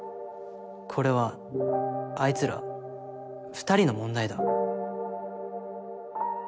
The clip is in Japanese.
これはあいつら２人の問題だ。